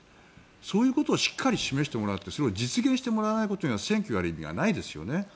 そういうことをしっかり示してもらってそれを実現してもらわないことには選挙をする意味がないですね。